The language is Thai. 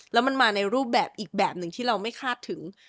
แล้วมันมาในรูปแบบอีกแบบหนึ่งที่เราไม่คาดถึง